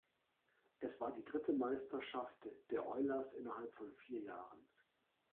Es war die dritte Meisterschaft der Oilers innerhalb von vier Jahren.